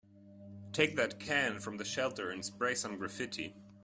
Take that can from the shelter and spray some graffiti.